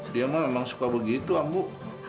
dia mah emang suka begitu ambo